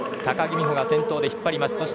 高木美帆が先頭で引っ張ります。